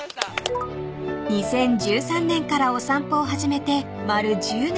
［２０１３年からお散歩を始めて丸１０年］